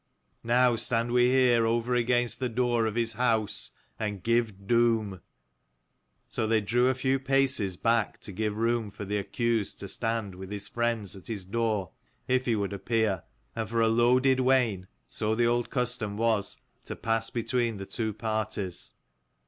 Now stand we here over against the door of his house, and give doom," So they drew a few paces back to give room for the accused to stand with his friends at his door, if he would appear : and for a loaded wain, so the old custom was, to pass between the two parties.